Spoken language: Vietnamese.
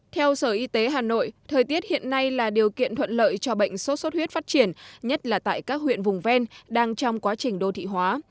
theo sở y tế hà nội thời tiết hiện nay là điều kiện thuận lợi cho bệnh sốt xuất huyết phát triển nhất là tại các huyện vùng ven đang trong quá trình đô thị hóa